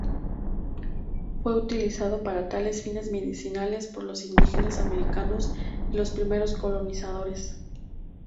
Fue utilizado para tales fines medicinales por los indígenas americanos y los primeros colonizadores.